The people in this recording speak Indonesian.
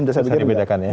bisa dibedakan ya